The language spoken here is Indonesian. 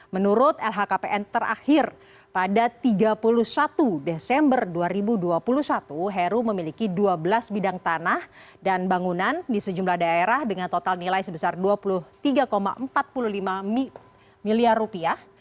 menurut lhkpn terakhir pada tiga puluh satu desember dua ribu dua puluh satu heru memiliki dua belas bidang tanah dan bangunan di sejumlah daerah dengan total nilai sebesar dua puluh tiga empat puluh lima miliar rupiah